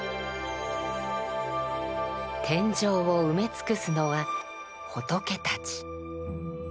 天井を埋め尽くすのは仏たち。